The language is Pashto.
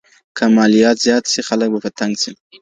که مالیات زیات سي خلګ به په تنګ سي.